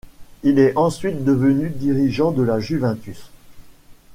Il est ensuite devenu dirigeant de la Juventus.